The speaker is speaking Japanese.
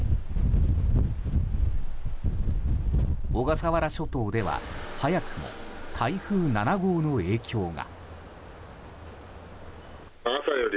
小笠原諸島では早くも台風７号の影響が。